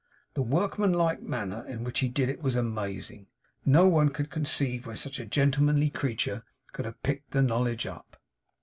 The workman like manner in which he did it was amazing. No one could conceive where such a gentlemanly creature could have picked the knowledge up.